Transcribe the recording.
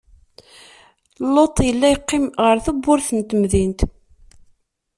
Luṭ illa yeqqim ɣer tebburt n temdint.